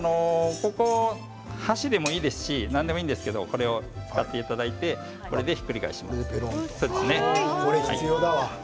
箸でもいいですし何でもいいんですがこれを使っていただいてひっくり返します。